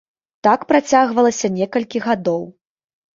Так працягвалася некалькі гадоў.